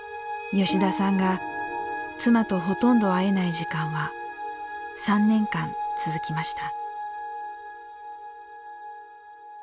吉田さんが妻とほとんど会えない時間は３年間続きました。